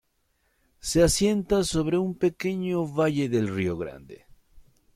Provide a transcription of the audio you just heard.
Se asienta sobre un pequeño valle del río Grande.